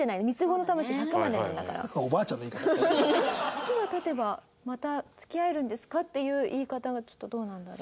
「時が経てばまた付き合えるんですか？」っていう言い方はちょっとどうなんだろう？